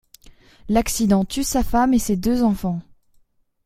L'accident tue sa femme et ses deux enfants.